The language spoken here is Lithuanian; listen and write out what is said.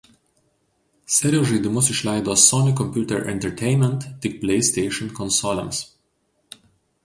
Serijos žaidimus išleido „Sony Computer Entertainment“ tik „PlayStation“ konsolėms.